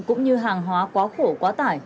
cũng như hàng hóa quá khổ quá tải